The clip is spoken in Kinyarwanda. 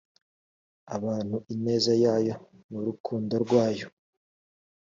abantu ineza yayo n urukundo rwayo